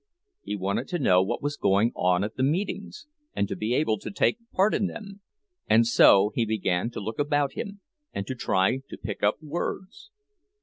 He wanted to know what was going on at the meetings, and to be able to take part in them, and so he began to look about him, and to try to pick up words.